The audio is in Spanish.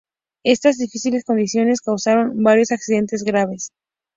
Estas difíciles condiciones causaron varios accidentes graves.